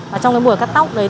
và trong cái buổi cắt tóc đấy